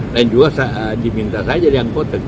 dan juga diminta saja diangkut